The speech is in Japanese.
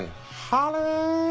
あれ！